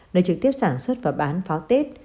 nơi trực tiếp sản xuất và bán pháo tết